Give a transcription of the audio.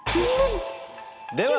では。